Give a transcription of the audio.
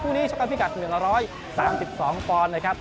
ภูมินี้ชกกันพี่กัส๑๑๓๒ปอนด์นะครับ